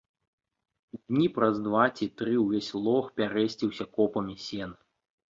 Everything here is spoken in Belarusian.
Дні праз два ці тры ўвесь лог пярэсціўся копамі сена.